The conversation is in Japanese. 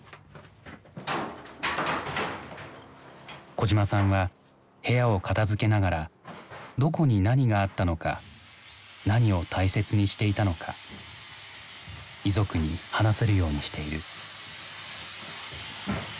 小島さんは部屋を片づけながらどこに何があったのか何を大切にしていたのか遺族に話せるようにしている。